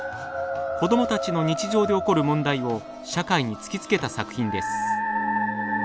子どもたちの日常で起こる問題を社会に突きつけた作品です。